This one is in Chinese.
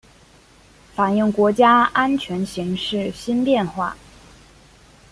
反映国家安全形势新变化